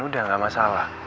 udah nggak masalah